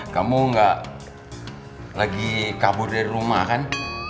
kamu nggak lagi kabur dari rumah kan